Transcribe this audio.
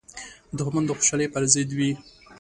دښمن د خوشحالۍ پر ضد وي